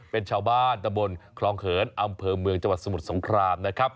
เป็นชาวบ้านตะบนคลองเขินอำเภอเมืองจังหวัดสมุทรสงครามนะครับ